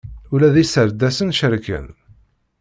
Ula d iserdasen cerken.